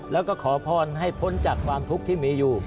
แล้วก็ขอพรให้พ้นจากความทุกข์ที่มีอยู่